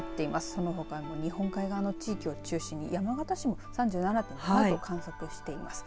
そのほか日本海側の地域を中心に山形市も３７．７度を観測しています。